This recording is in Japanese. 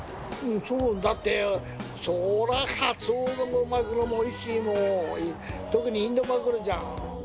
そう、だって、そらぁカツオもマグロもおいしいもん、特にインドマグロじゃーん。